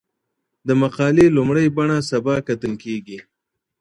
د مقالي لومړۍ بڼه سبا کتل کېږي.